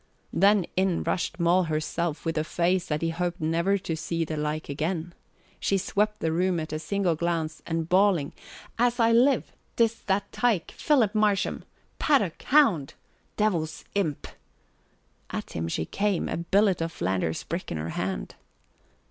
Then in rushed Moll herself with such a face that he hoped never to see the like again. She swept the room at a single glance and bawling, "As I live, 't is that tike, Philip Marsham! Paddock! Hound! Devil's imp!" at him she came, a billet of Flanders brick in her hand.